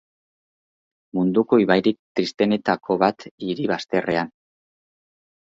Munduko ibairik tristeenetako bat hiri bazterrean.